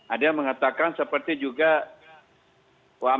ada yang mengatakan seperti juga one man keuangan